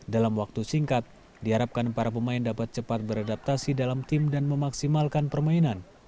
dalam waktu singkat diharapkan para pemain dapat cepat beradaptasi dalam tim dan memaksimalkan permainan